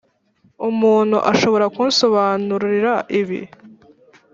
umuntu ashobora kunsobanurira ibi?